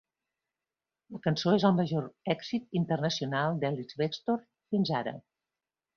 La cançó és el major èxit internacional d'Ellis-Bextor fins ara..